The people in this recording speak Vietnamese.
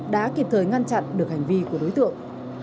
đã kịp thời ngăn chặn được hành vi của đối tượng